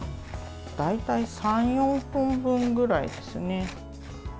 大体３４本分ぐらいですね。